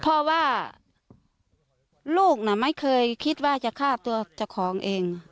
เพราะว่าลูกน่ะไม่เคยคิดว่าจะฆ่าตัวเจ้าของเอง